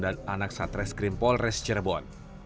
dan anak satres grimpol res tancerebon